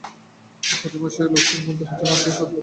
প্রতি মাসে লোকসান গুনতে হচ্ছে পাঁচ থেকে সাত লাখ টাকা করে।